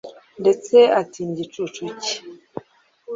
Ndetse atinya igicucu cye.